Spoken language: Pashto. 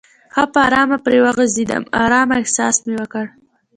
ښه په آرامه پرې وغځېدم، آرامه احساس مې وکړ.